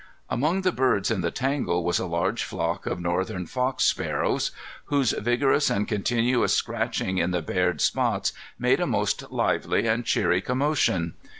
Among the birds in the tangle was a large flock of northern fox sparrows, whose vigorous and continuous scratching in the bared spots made a most lively and cheery commotion.